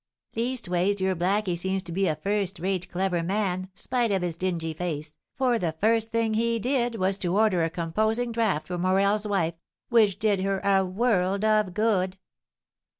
Leastways your blacky seems to be a first rate clever man, spite of his dingy face, for the first thing he did was to order a composing draught for Morel's wife, which did her a world of good!"